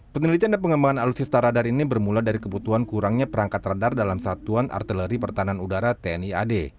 penelitian dan pengembangan alutsista radar ini bermula dari kebutuhan kurangnya perangkat radar dalam satuan artileri pertahanan udara tni ad